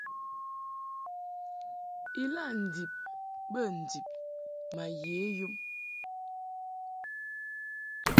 Ilaʼ ndib bə ndib ma ye yum.